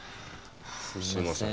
すいません。